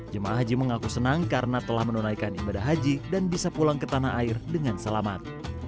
jemaah haji mengaku senang karena telah menunaikan ibadah haji dan bisa pulang ke tanah air dengan selamat